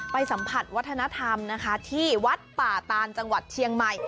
สัมผัสวัฒนธรรมนะคะที่วัดป่าตานจังหวัดเชียงใหม่